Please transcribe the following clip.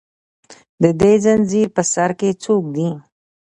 د دې زنځیر په سر کې څوک دي